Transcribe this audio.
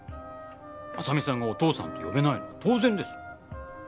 真実さんがお父さんと呼べないのは当然です。